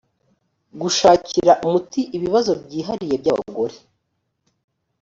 gushakira umuti ibibazo byihariye by abagore